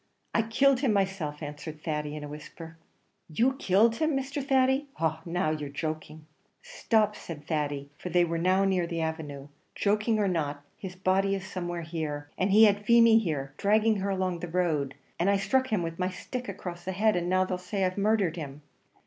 "I killed him by myself," answered Thady, in a whisper. "You killed him, Mr. Thady ah! now, you're joking." "Stop!" said Thady for they were now in the avenue "joking or not, his body is somewhere here; and he had Feemy here, dragging her along the road, and I struck him with my stick across the head, and now they'll say I've murdhered him."